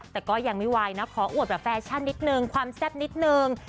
แต่ก็ยังไม่ไหวนะขออวดแบบแฟชั่นนิดนึงความแซ่บนิดนึง